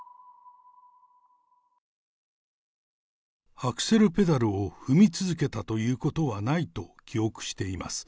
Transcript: アクセルペダルを踏み続けたということはないと記憶しています。